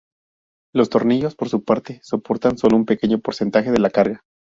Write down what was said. Los tornillos, por su parte, soportan solo un pequeño porcentaje de la carga.